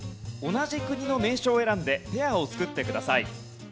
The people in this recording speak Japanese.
同じ国の名所を選んでペアを作ってください。